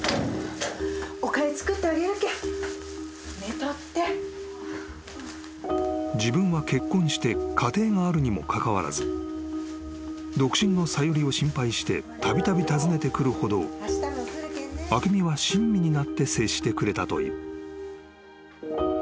［さらに］・［自分は結婚して家庭があるにもかかわらず独身のさゆりを心配してたびたび訪ねてくるほど明美は親身になって接してくれたという］